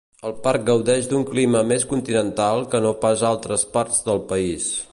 El parc gaudeix d'un clima més continental que no pas altres parts del país.